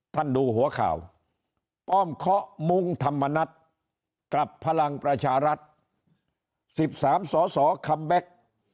ดูหัวข่าวป้อมเคาะมุ้งธรรมนัฐกับพลังประชารัฐ๑๓สสคัมแบ็ค